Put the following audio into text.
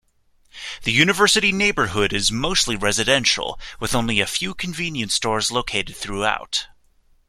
The University Neighborhood is mostly residential, with only a few convenience stores located throughout.